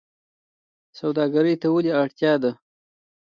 سوداګرۍ ته ولې اړتیا ده؟